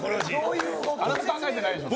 あなた考えてないでしょ？